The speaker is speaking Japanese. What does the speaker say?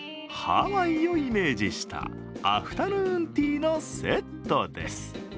ハワイをイメージしたアフタヌーンティーのセットです。